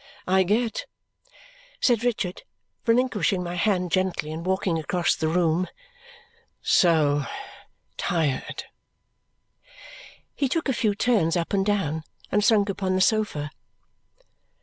I get," said Richard, relinquishing my hand gently and walking across the room, "so tired!" He took a few turns up and down and sunk upon the sofa.